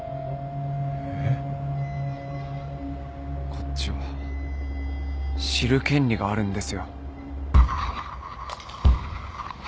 こっちは知る権利があるんですよ。